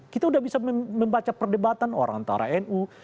kita udah bisa membaca perdebatan orang antara nu